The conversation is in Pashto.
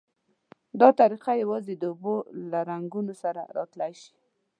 دا طریقه یوازې د اوبو له رنګونو سره را تلای شي.